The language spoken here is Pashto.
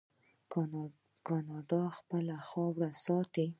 کاناډا خپله خاوره ساتي.